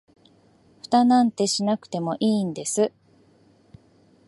フタなんてしなくてもいいんです